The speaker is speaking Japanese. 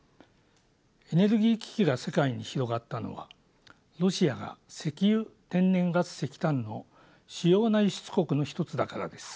エネルギー危機が世界に広がったのはロシアが石油天然ガス石炭の主要な輸出国の一つだからです。